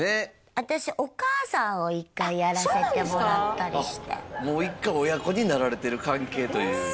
私お母さんを一回やらせてもらったりしてもう一回親子になられてる関係というへえ！